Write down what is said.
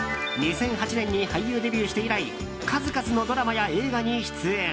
２００８年に俳優デビューして以来数々のドラマや映画に出演。